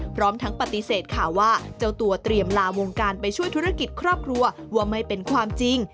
พร้อมทั้งปฏิเสธข่าวว่าเจ้าตัวเตรียมลาวงการไปช่วยธุรกิจครอบครัวว่าไม่เป็นความจริง